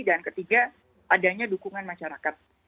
dan ketiga adanya dukungan masyarakat